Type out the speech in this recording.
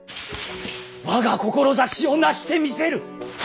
我が志をなしてみせる！